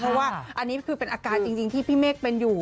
เพราะว่าอันนี้คือเป็นอาการจริงที่พี่เมฆเป็นอยู่